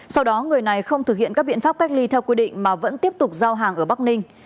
sau đó người này không thực hiện các biện pháp cách ly theo quy định mà vẫn tiếp tục giao hàng ở bắc ninh